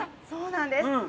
そうなんです。